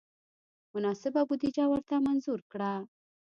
مناسبه بودجه ورته منظور کړه.